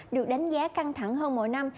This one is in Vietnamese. được đánh giá căng thẳng hơn mỗi năm